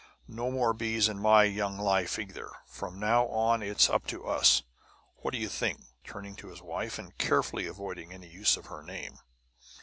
"No more bees in my young life, either. From now on it's up to us. What do you think?" turning to his wife, and carefully avoiding any use of her name.